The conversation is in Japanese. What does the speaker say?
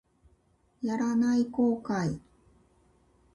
やらない後悔